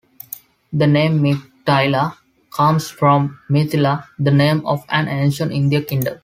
The name Meiktila comes from Mithila, the name of an ancient Indian kingdom.